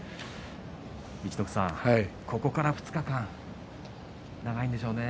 陸奥さん、ここから２日間長いんでしょうね。